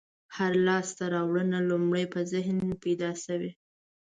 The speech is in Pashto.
هره لاستهراوړنه لومړی په ذهن کې پیدا شوې.